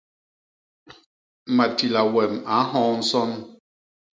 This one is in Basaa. Matila wem a nhoo nson.